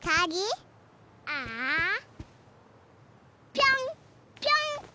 ぴょんぴょん。